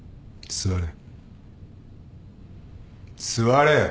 座れ！